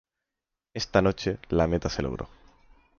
Esta noche, la meta se logró""